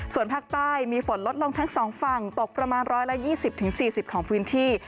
ส่วนภาคใต้มีฝนลดลงทั้ง๒ฝั่งตกประมาณ๑๒๐๔๐ของพื้นที่